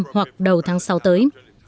hoặc đầu tháng sáu tới